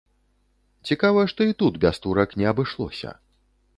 Цікава, што і тут без турак не абышлося.